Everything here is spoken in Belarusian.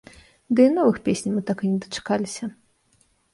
Ды і новых песень мы так і не дачакаліся.